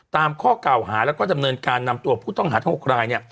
ข้อเก่าหาแล้วก็ดำเนินการนำตัวผู้ต้องหาทั้ง๖ราย